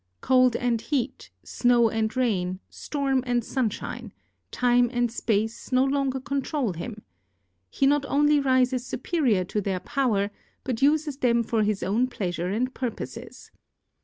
Cold and heat, snow and rain, storm and sunshine, time and space, no longer control him. He not only rises superior to their power, but uses them for his own pleasure and purposes.